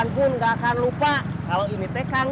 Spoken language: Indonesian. bangkun nggak akan lupa kalau ini tekan